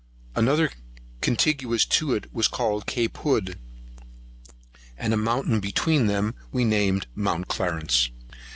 Another contiguous to it was called Cape Hood; and a mountain between them, we named Mount Clarence.